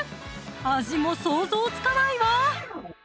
味も想像つかないわ！